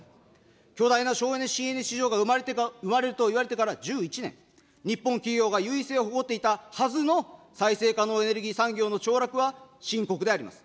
巨大な省エネ・新エネ市場が生まれるといわれてから１１年、日本企業が優位性を誇っていたはずの再生可能エネルギー産業のちょう落は、深刻であります。